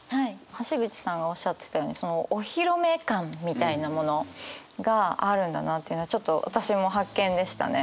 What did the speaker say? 橋口さんがおっしゃってたようにお披露目感みたいなものがあるんだなというのはちょっと私も発見でしたね。